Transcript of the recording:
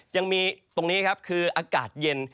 ยังมีตรงนี้ครับคืออากาศเย็น